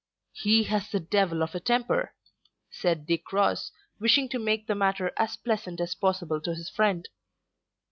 "He has the devil of a temper," said Dick Ross, wishing to make the matter as pleasant as possible to his friend.